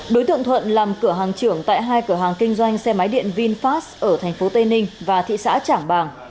đối tượng thuận làm cửa hàng trưởng tại hai cửa hàng kinh doanh xe máy điện vinfast ở thành phố tây ninh và thị xã trảng bàng